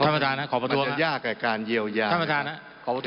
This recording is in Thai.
มันจะยากกับการเยียวยาบ